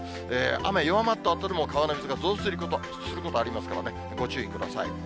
雨、弱まったあとでも川の水が増水することがありますからね、ご注意ください。